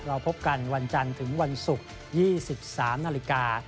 พบกันวันจันทร์ถึงวันศุกร์๒๓นาฬิกา